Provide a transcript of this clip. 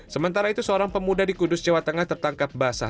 sementara itu seorang pemuda di kudus jawa tengah tertangkap basah